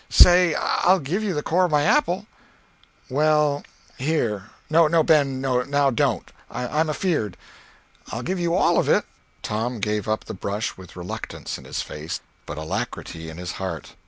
Say—I'll give you the core of my apple." "Well, here—No, Ben, now don't. I'm afeard—" "I'll give you all of it!" Tom gave up the brush with reluctance in his face, but alacrity in his heart.